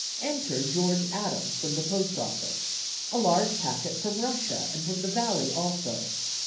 "Enter George Adams, from the post office, a large packet from Russia, and from the valley also.